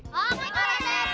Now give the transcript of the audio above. oke kak randi